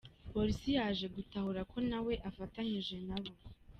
Polisi yaje gutahura ko na we afatanyije nabo.